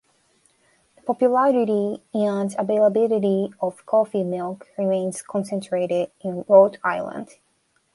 The popularity and availability of coffee milk remains concentrated in Rhode Island.